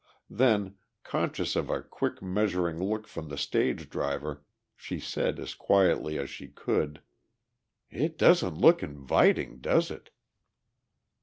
Then, conscious of a quick measuring look from the stage driver, she said as quietly as she could: "It doesn't look inviting, does it?"